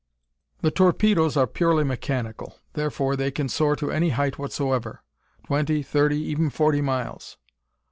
"The torpedoes are purely mechanical. Therefore, they can soar to any height whatsoever. Twenty, thirty, even forty miles.